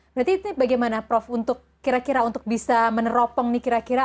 berarti ini bagaimana prof untuk kira kira untuk bisa meneropong nih kira kira